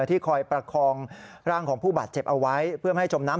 ที่คอยประคองร่างของผู้บาดเจ็บเอาไว้เพื่อไม่ให้จมน้ำ